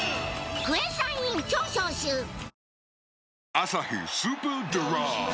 「アサヒスーパードライ」